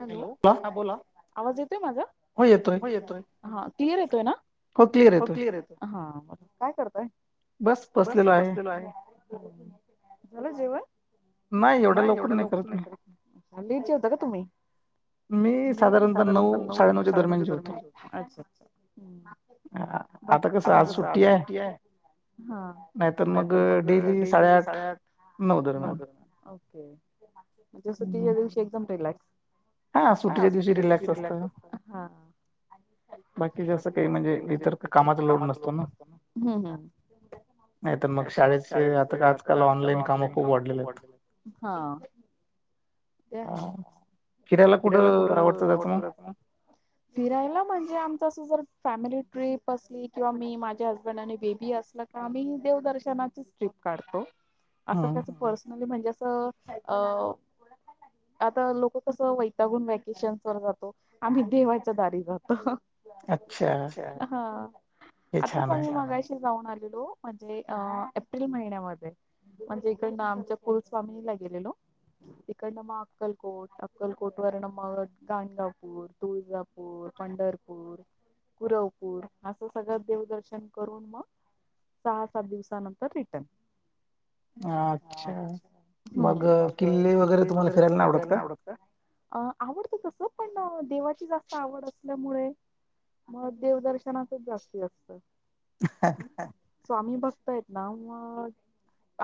Hello हा बोला आवाज येत माजा हा येतोय. हा क्लियर येतोय ना? हो क्लियर येतोय. काय करताय? बस बसलेलो आहे. झाल जेवण. नाही एवढ्या लवकर नाही. लेट जेवता का तुम्ही? मी साधारणतः नऊ साडेनऊच्या दरम्यान जेवतो. अच्छा अच्छा आता कसं आज सुट्टी आहे. हा. नाहीतर मग डेली साडेआठ नऊ धर. ओके. म्हणजे सुट्टीच्या दिवशी एकदम रिलॅक्स. हा सु्टीच्या दिवशी रिलॅक्स असत. हा हा बाकी कस काय म्हणजे इतर कामाचा लोड नसतो ना नाही तर मग शाळेचे आता आजकाल ऑनलाईन काम खूप वाढलेले आहेत. हा ते आहे का फिरायला कुठं आवडत [inaudible] फिरायला म्हणजे आमच अस फॅमिली ट्रिप असली किंवा मी माझ्या हसबंड आणि बेबी असल का आम्ही देवदर्श चार जणांचीच ट्रिप काढतो. असं कस पर्सनली म्हणजे असं अ आता लोक कसं वैतागुन वॅकेशन्स वर जातो आम्ही देवाच्या दारी जातो अच्छा. हा. [inaudible] आता सांगू मगाशी जाऊन आलेलो म्हणजे एप्रिल महिन्यामध्ये म्हणजे इकडनं आमच्या कुल स्वामीनीला गेलेलो इकडनं मग अक्कलकोट अक्कलकोट वरन मग गांडवपूर, तुळजापूर, पंढरपूर. कुरवपूर असं सगळं देवदर्शन करून मग सहा सात दिवसानंतर रिटर्न अच्छा मग किल्ले वगैरे तुम्हाला फिरायला नाही आवडत का? अं आवडत तस पण देवाची जास्त आवड असल्यामुळे मग देवदर्शनाचंच जास्ती असतं. स्वामी भक्त आहेत ना मग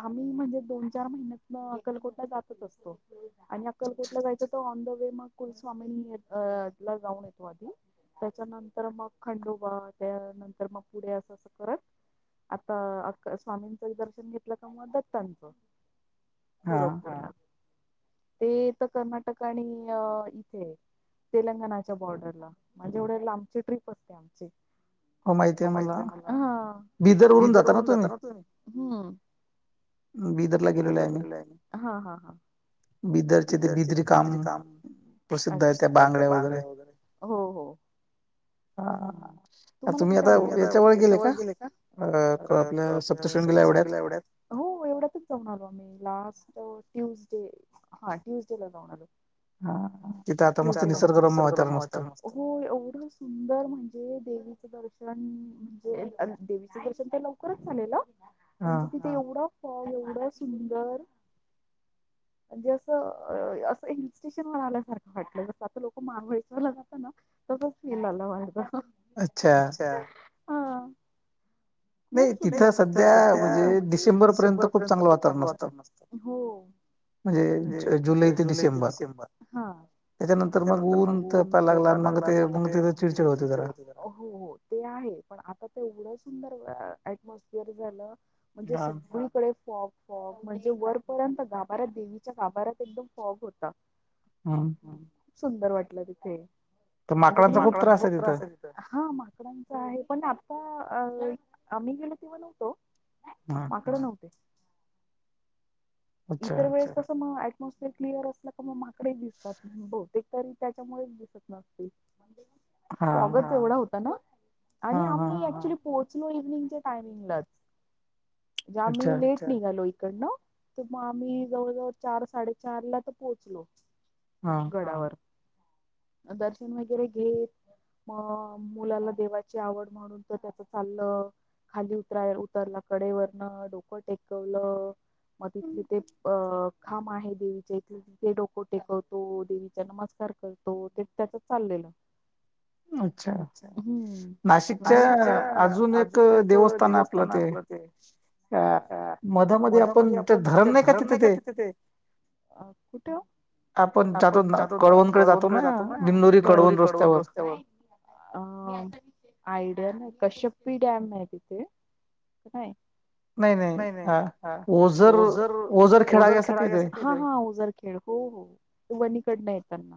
आम्ही म्हणजे दोन चार महिन्यातनं अक्कलकोटला जातच असतो आणि अक्कलकोटला जाय [inaudible] ऑन द वे मग कुलस्वामिनी अ ला जाऊन येतो आधी त्याच्यानंतर मग खंडोबा त्यानंतर मग पुढ असं असं करत आता अ स्वामींचं दर्शन घेतलं का मग दत्तांचं पुरवका. ते तर कर्नाटक कणी आ इथे तेलंगणाच्या बॉर्डरला म्हणजे एवढ्या लांबची ट्रिप असते आमची हो माहिती आहे मला. बिदर वरून जाता ना तुम्ही बिदरला गेलेला आहे मी. हा हा हा. बिदरची बीदरी काम प्रसिद्ध आहे त्या बांगड्या वगैरे. हो हो हम्म. तुम्ही आता याच्यामुळे गेले का तर आपल्या सप्तशृंगी ला एवढ्यात. हो एवढ्यात जाऊन आलो आम्ही लास्ट ट्यूज हा ट्यूसडे ला जावुन आलो. हा तिथ आता मस्त निसर्गरम्य वातावरण हो एवढं सुंदर म्हणजे देवी दर्शन म्हणजे देवीचं दर्शन तर लवकरच झालेलं. म्हणजे तिथे एवढा फॉल एवढा सुंदर म्हणजेअसं. असं हिल स्टेशनवर आल्यासारखं वाटलं जसं आता लोक महाबळेश्वर ला जात ना तसंच फिल आलतं. [unintelligible] अच्छा नाही तिथं सध्या म्हणजे डिसेंबर पर्यंत खूप चांगलं वातावरण असतं. म्हणजे ज जुलै जुलै ते डिसेंबर हं त्याच्यानंतर मग ऊन तपायला लागलं मग ते चिडचिड पण आता ते एवढं सुंदर अ अ ऍडमोस्टयर झालं म्हणजे सळीकडे फॉग फॉग म्हणजे वरपर्यंत गाभाऱ्यात देवीच्या गाभऱ्यात एकदम फॉग होता. हम खूप सुंदर वाटलं तिथे. माकडांचा खूप त्रास आहे तिथं अ आम्ही गेलो तेव्हा नव्हतो माकड नव्हते. इतर वेळेस कसं म ऍडमोस्टयर क्लिअर असलं का मग माकडे दिसतात बहुतेक तरी त्याच्यामुळेच दिसत नसतील. फॉगच एवढा होता ना आणि आम्ही ऍक्च्युली पोह इव्हनिंगच्या टाइमिंगला आम्ही लेट निघालो इत इकडणं तर मग आम्ही जवळ जवळ चार साडेचार ला तर पोहोचलो. गडावर दर्शन वगैरे घेत. म मुलाला देवाची आवड म्हणून तर त्याच चाललं. खाली उतराय उतरला कडेवरनं डोकं टेकवलं. मग तिथले ते अ खाम आहेत. देवीच्या इथ तिथे डोको टेकवतो देवीचा नमस्कार करतो ते त्यातच चाललेलं. अच्छा नाशिकच्या अजून एक देवस्थान आपलं ते हा मधमध्ये आपण धरण नाही का तिथे ते अ कुठे ओ? आपण जातो ना कळवणकडे जातो ना दंडोरी कळवण रस्त्यावर अ आयडिया ना कश्यपपी डॅम आहे तिथे ओझर ओझर खेळा घ्या अस जर खेळ हो हो वनी गड ला येताना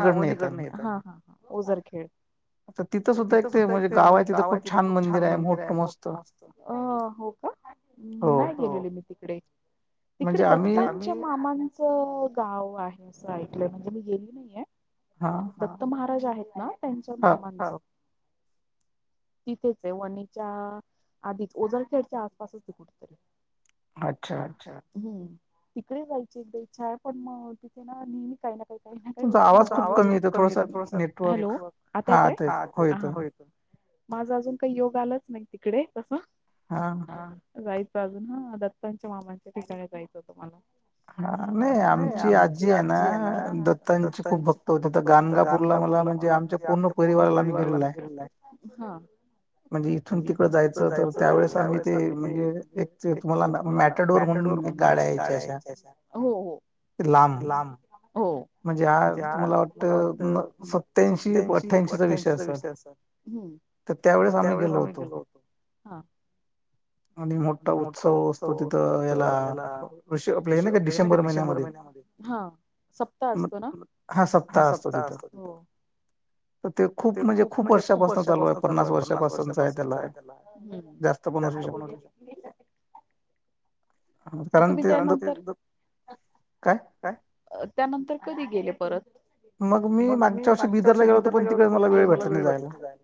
हा वनी गळणे येताना ओझर खेळ तिथं सुद्धा एक ते म्हणजे गाव आहे तिथं खूप छान मंदिर आहे मोठ मस्त, ह हो नाही गेलेले मी तिकडे तिकडे दत्ताचे मामांचं गाव आहे असं ऐकलंय म्हणजे मी गेली नाहीेये. दत्त महाराज आहेत ना त्यांच मामा तिथेच आहे वणीच्या आधीच ओझरखेडच्या आसपासच कुठेतरी अच्छा हम तिकडे जायची एकदा इच्छा आहे पण मग तिथे ना नेहमी काही ना काही तुमचा आवाज खूप कमी येतोय प्रोसात नेटवर्क, हा आता येतोय हो येतोय. माझं अजून काही योग आलाच नाही तिकडे तस जायचं. अजून हा दत्तांच्या मामांच्या ठिकाणी जायचं होतं मला हा नाही आमची आजी आहे ना दत्तांची खूप भक्त होते तर गानगापूरला संगापूरला मला म्हणजे आमच्या पूर्ण परिवाराला मी गेलेला आहे. म्हणजे इथून तिकड जायचंत त्यावेळेस आम्ही ते म्हणजे तुमला मॅटेड हुन गाड्या यायच्या अश्या लांब म्हणजे हा मला वाटत सत्यांशी अठ्ठ्यांशीचा विषय असा तर त्या तर त्यावेेळेस आम्ही गेलो होतो. आणि मोठा उत्सव षी आप का डिसेंबर महिन्यामध्ये हा सप्ताह असतो ना. हा सप्ताह असतो तिथं तर ते खूप म्हणजे खूप वर्षापासून चालू आहे. चालू आहे पन्नास वर्षापासूनच आहे त्याला जास्त पण [unintelligible] तुम्ही त्यानंत त्यानंतर कधी गेले परत [unintelligible] मग मी मागच्या वर्षी बिदरला गेलो होतो पण तिकडे मला वेळ भेटली जाल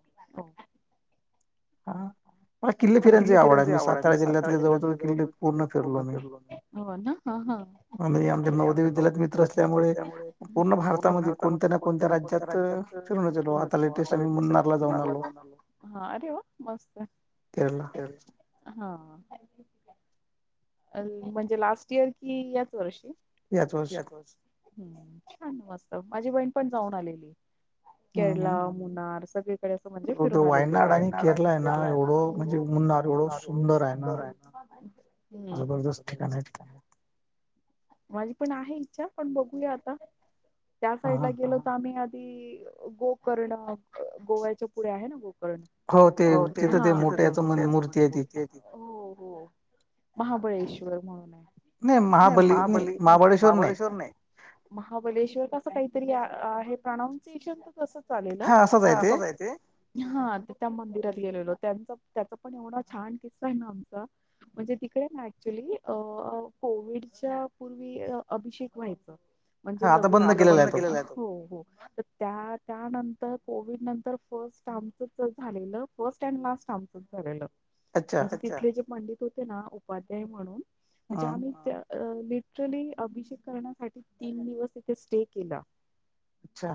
हा. ला किल्ले फिर्यांची आवड आहे मी सातारा जिल्ह्यातले जवळजवळ किल्ले पूर्ण फिरलो हो ना. ह हा. आणि आमच्या नवध्या विद्यालयात मित्र असल्यामुळे पूर्ण भारत पूर्ण भारतामध्ये कोणत्या ना कोणत्या राज्यात फूनल आता लेटेस मनणारारला गाणारला हा. आरे वा मस्त. हा म्हणजे लास्ट इयर कि याच वर्षी? याच वर्षी छान मस्त माझी बहीण पण जाऊन आलेली. केरला मुनार सगळीकडे असं म्हणजे फिरून आले वायनाड. केरला आहे ना एवढं म्हणजे मुन्हावढं सुंदर आहे ना. हम्म जबदस्त. माझी पण आहे इच्छा पण बघूया आता त्या साईड ला गेलो तर आम्ही ती गोकर्ण गोव्याच्या पुढे आहे ना गोकर्ण हो ते तिथं ते मोठ्याच मूर्ती आहे तिथ हो महाबळेश्व तर म नाही महाबली महाबळेश्वर नाही महाबळेश्वर अस काही तर या प्रनान्सिएशन कस चालेलं, हा असच आहे ते. हा त्या मंदिरात गेलेलो त्यांचा त्याचा पण एवढा छान किस्सा आहे ना आमचा म्हणजे तिकडे ना ऍक्च्युली अ कोविडच्या पूर्वी अभिषेक व्हायच. म्हणजे लबू आता बंद केल ना, हो हो त्या त्यानंतर कोविड नंतर फर्स्टर्मचच झालेलं फर्स्ट अँड लास्टर्मचच झालेलं. म्हणजे तिथ जे पंडित होते ना उध्याय म्हणून म्हणजे आम्ही लिटरली अभिषेक करण्यासाठी तीन दिवस इथे स्टे केला. अच्छा.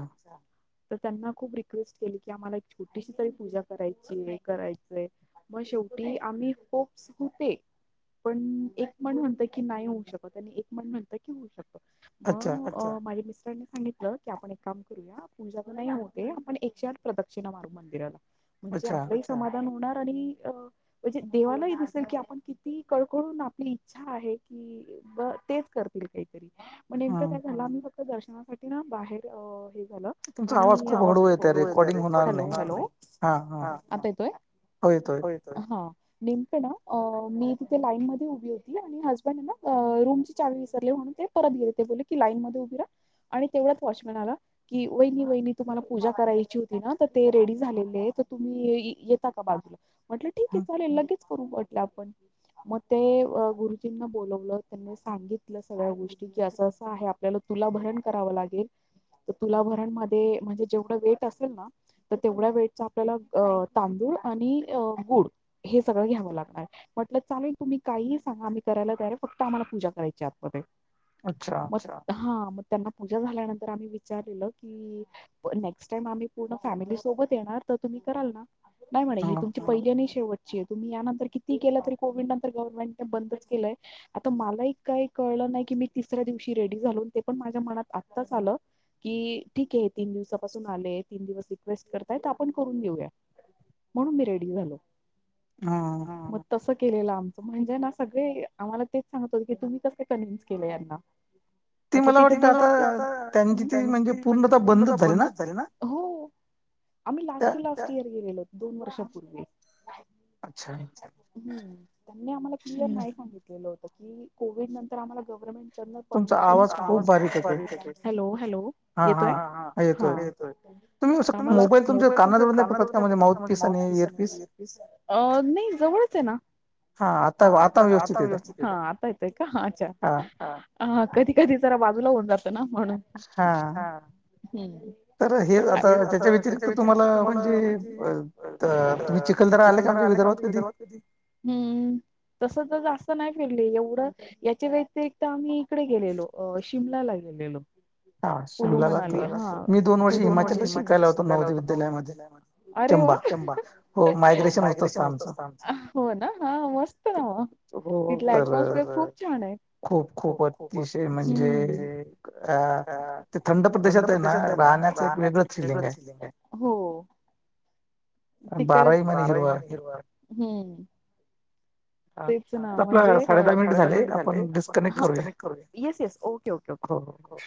तर त्यांना खूप रिक्वेस्ट केली की आम्हाला एकछोटीशी तरी पूजा करायची. करायचय मग शेवटी आम्ही होप्स होते. पण एक म्हण म्हणत की नाही होऊ शकत आणि एक मण म्हणत की होऊ शकत. मग अ माझे मिस्टर. सांगितलं की आपण एक काम करूया पूजाला नाही होते आपण एकशे आठ प्रदक्षिणा मारू मंदिराला. म्हणजे आपलंही समाधान होणार. आणि म्हणजे देवालाही दिसेल की आपण किती कळकळून आपली इच्छा आहे की तेच करतील काहीतरी मग नेमकं काय झालं आम्ही फक्त दर्शनासाठी ना बाहेर हे आवाज खूप हळू येत हॅलो हॅलो. ह आता येतोय हो येतो आहे. नेमप ना मी तिथे लाईन मध्ये उभी होती आणि हजबंड ना रूम ची चावी विसरले हो म्हणून ते परत गेले ते बोलले की लाईन मध्ये उभी रहा आणि तेवढ्यात वॉचमन आला वहिनी वहिनी तुम्हाला पूजा करायची होती ना तर ते रेडी झालेले त तुम्ही येता का बाजूला म्हटलं ठीक आहे चालेल लगेच करटलं आपण मग ते गुरुजींना बलावलं त्यांनी सांगितलं सगळ्या गोष्टी ठी असं असं आहे आपल्याला तुला भरण करावं लागेल. तर तुला भरण मध्ये म्हणजे जेवढं वेट असेल ना तर तेवढ्या वेट चा तांदूळ आणि गुळ हे सग घ्या लागणार म्हटल चालेल तुम्ही करा का सांगा आम्ही करायला तयाे फक्त आम्हाला पूज कराची आतमध्ये. म हा मग त्यांना पूजा झाल्यानंतर. तर आम्ही विचारलेलं की नेक्स्ट टाइम आम्ही पूर्ण फॅमिली सोबत येणार तर तुम्ही कराल ना. नाही मणे ही तुमची पहिल्या शेवटची आहे तुम्ही या नंतर. तर किती केल तरी गव्हर्नमेंट बंदच केय मला ही कळलं नाही त दिवशी रेडी झालो ते पण माझ्या मनात आत्ताच आलं. की ठीके आहे तीन दिवसापासून आले तीन दिवस रिक्वेस्ट करताय. करून घेऊया म्हणून मी रेडी झालो तसं. केलेलं आमच म्हणजे ना सगळे आम्हाला तेच सांगत हो की तुम्ही कसले कन्व्हिन्स के यांना. आता तिथे मला वाटते आता त्यांची ती म्हणजे पूर्णत बंदच झाली ना हो. आम्ही लास्ट टू लास्ट इयर गेलेलोत दोन वर्षापूर्वी. हम्म त्यांनी आम्हाला क्लिअर नाही सांगितलेलं होत. की कोविड नंतर आम्हाला गव्हर्नमेंट श हॅलो हॅलो येतोयेतय. मोबाईल मुंबईतून ज कामनाजडून नाहीटत म्हणजे माऊथपीस आणि इयरपीस नाही जवळच आहे ना. हा आता आता व्यवस्ित हा आता येतय काछ. हा कधी कधी जरा बाजूला होऊन जातो. हा तर हे आता. व तुम्हा म्हण तुम् चिखलदरा आ का आम विदर्ात कध ह् तस. असं नाही फिरली एवढं याच्या व्यती एक आम्ही इकडे गेलेलो शिमलाला गेलेलो. उलू म्हणाली मी दोन वर्ष होत नव विद्यालयामध्ये अरे वां हो मायग्रेशन होत असत आम हा मस्त नाव इथले ऍटमोसफिअर खूप छान आहे. खूप खूप अतिश म्हणजे ते थंड प्रदेशात आहे ना राहण्याच एक वेगळंच सिलिंग आहे हो तिकडे बारावी मणीिरवा तेच ना म्हणजे साडे दहा मिनिट झाले आपण डिस्कनेक्ट करूया yes yes okay okay okay. हो.